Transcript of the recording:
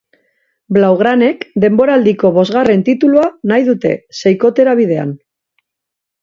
Blaugranek denboraldiko bosgarren titulua nahi dute, seikotera bidean.